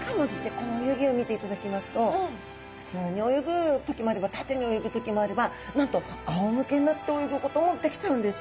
この泳ぎを見ていただきますと普通に泳ぐ時もあれば縦に泳ぐ時もあればなんとあおむけになって泳ぐこともできちゃうんです。